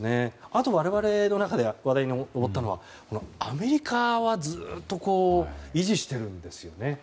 あと、我々の中で話題に上ったのはアメリカはずっと維持しているんですね。